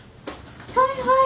はいはい。